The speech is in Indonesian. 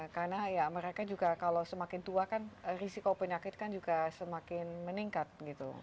karena ya mereka juga kalau semakin tua kan risiko penyakit kan juga semakin meningkat gitu